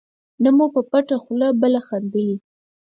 نه مو په پټه خوله بله خندلي.